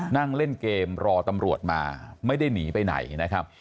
นั่งเล่นเกมรอตำรวจมาไม่ได้หนีไปไหนนะครับ